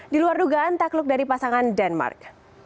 diluar dugaan takluk dari pasangan denmark